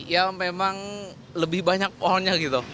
ya memang lebih banyak pohonnya gitu